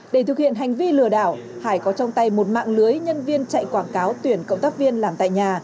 để thực hiện hành vi lừa đảo hải có trong tay một mạng lưới nhân viên chạy quảng cáo tuyển cộng tác viên làm tại nhà